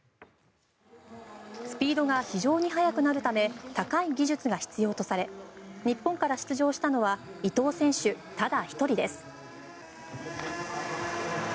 スピードが非常に速くなるため高い技術が必要とされ日本から出場したのは伊藤選手ただ１人です。